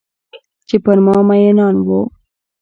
چې پر ما میینان وه